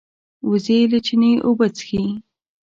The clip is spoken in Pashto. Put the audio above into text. وزې له چینې اوبه څښي